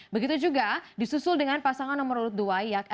begitu juga disusul dengan pasangan nomor urut dua